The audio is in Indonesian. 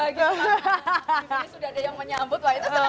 bagi sekarang sudah ada yang menyambut